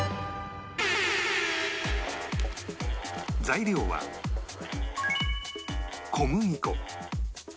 材料は小麦粉